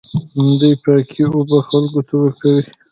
دوی پاکې اوبه خلکو ته ورکوي.